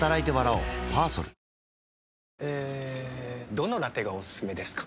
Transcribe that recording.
どのラテがおすすめですか？